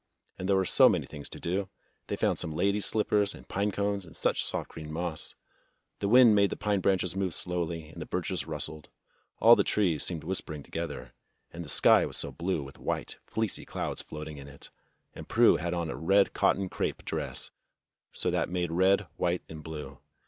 And there were so many things to do. They found some ladies' slippers and pine cones and such soft green moss. The wind made the pine branches move slowly and the birches rustled. All the trees seemed whispering together, and the sky was so blue, with white, fleecy clouds floating in it, and Prue had on a red cotton crepe dress, so that made red, white, and blue.